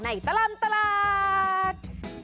ในตลันตลาด